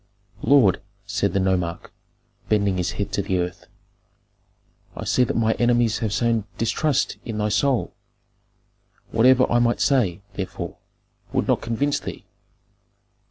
"Lord," said the nomarch, bending his head to the earth, "I see that my enemies have sown distrust in thy soul; whatever I might say, therefore, would not convince thee.